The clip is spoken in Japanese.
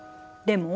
でも？